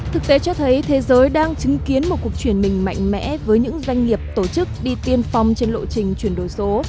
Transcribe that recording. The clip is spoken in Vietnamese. thực tế cho thấy thế giới đang chứng kiến một cuộc chuyển mình mạnh mẽ với những doanh nghiệp tổ chức đi tiên phong trên lộ trình chuyển đổi số